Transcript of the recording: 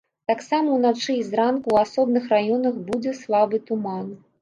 Таксама ўначы і зранку ў асобных раёнах будзе слабы туман.